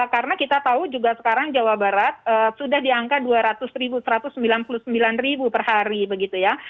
karena kita tahu juga sekarang jawa barat sudah di angka dua ratus ribu satu ratus sembilan puluh sembilan ribu per hari begitu ya